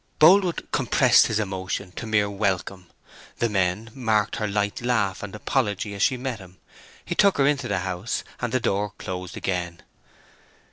Boldwood compressed his emotion to mere welcome: the men marked her light laugh and apology as she met him: he took her into the house; and the door closed again.